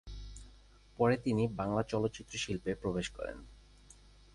পরে তিনি বাংলা চলচ্চিত্র শিল্পে প্রবেশ করেন।